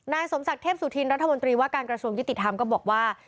สมศักดิ์เทพสุธินรัฐมนตรีว่าการกระทรวงยุติธรรมก็บอกว่า